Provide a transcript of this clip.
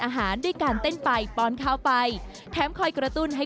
อาหารด้วยการเต้นไปป้อนข้าวไปแถมคอยกระตุ้นให้